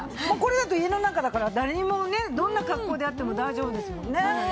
これだと家の中だから誰にもねどんな格好であっても大丈夫ですもんね。